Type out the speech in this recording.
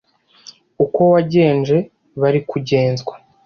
uko wagenje ba ari ko ugenzwa